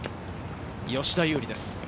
吉田優利です。